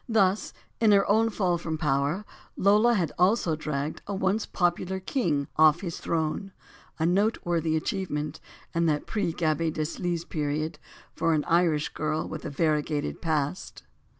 Thus, in her own fall from power, Lola had also dragged a once popular king off his throue; a noteworthy achievement, in that pre Gaby Deslys period, for an Irish girl with a variegated past.